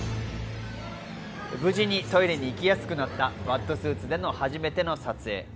無事にトイレに行きやすくなったバットスーツでの初めての撮影。